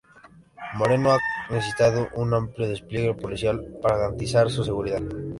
Moreno ha necesitado un amplio despliegue policial para garantizar su seguridad.